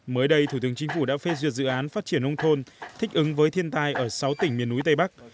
mới đây thủ tướng chính phủ đã phê duyệt dự án phát triển nông thôn thích ứng với thiên tai ở sáu tỉnh miền núi tây bắc